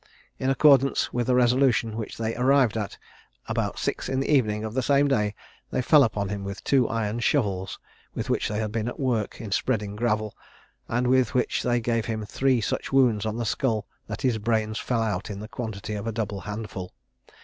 In accordance with a resolution which they arrived at, about six in the evening of the same day, they fell upon him with two iron shovels, with which they had been at work in spreading gravel, and with which they gave him three such wounds on the skull, that his brains fell out in the quantity of a double handful.